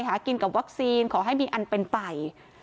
หากินกับวัคซีนขอให้มีอันเป็นไป